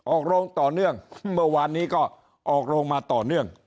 ออกโรงต่อเนื่องเมื่อวานนี้ก็ออกโรงมาต่อเนื่อง